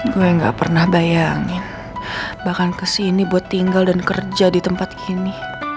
gue gak pernah bayangin bahkan kesini buat tinggal dan kerja di tempat ini